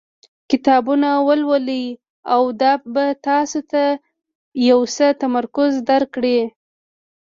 کتابونه ولولئ او دا به تاسو ته یو څه تمرکز درکړي.